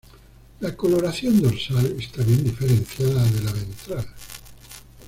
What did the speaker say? La coloración dorsal está bien diferenciada de la ventral.